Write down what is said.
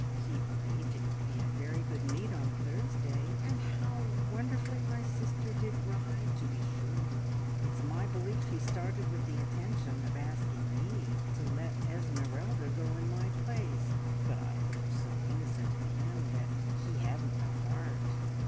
He believed it would be a very good meet on Thursday, and how wonderfully my sister did ride, to be sure. It's my belief he started with the intention of asking me to let Esmeralda go in my place, but I looked so innocent at him that he hadn't the heart.